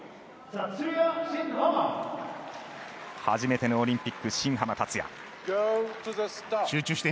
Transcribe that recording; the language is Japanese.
初めてのオリンピック、新濱立也。